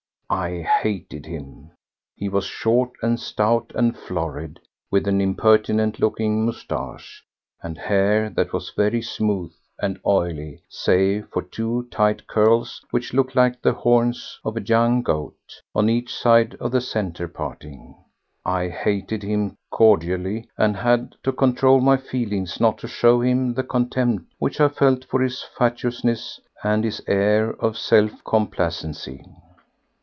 I hated him. He was short and stout and florid, with an impertinent looking moustache, and hair that was very smooth and oily save for two tight curls, which looked like the horns of a young goat, on each side of the centre parting. I hated him cordially, and had to control my feelings not to show him the contempt which I felt for his fatuousness and his air of self complacency.